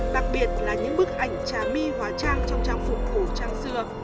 đặc biệt là những bức ảnh trà my hóa trang trong trang phục phủ trang xưa